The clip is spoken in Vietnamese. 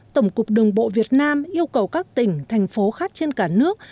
tổng cục đường bộ việt nam yêu cầu các tỉnh thành phố khác trên cả nước